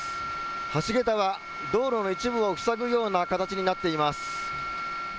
橋桁は道路の一部を塞ぐような形になっています。